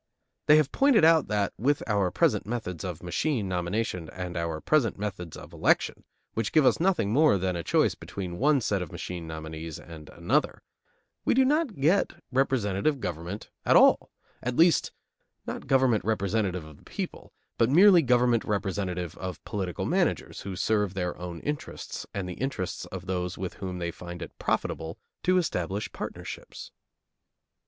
They have pointed out that, with our present methods of machine nomination and our present methods of election, which give us nothing more than a choice between one set of machine nominees and another, we do not get representative government at all, at least not government representative of the people, but merely government representative of political managers who serve their own interests and the interests of those with whom they find it profitable to establish partnerships.